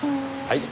はい。